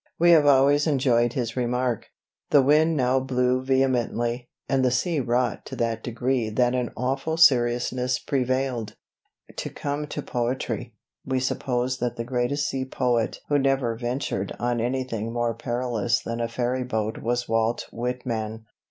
We have always enjoyed his remark: "The wind now blew vehemently, and the sea wrought to that degree that an awful seriousness prevailed." To come to poetry, we suppose that the greatest sea poet who never ventured on anything more perilous than a ferry boat was Walt Whitman.